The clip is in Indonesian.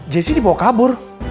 jessi dibawa kabur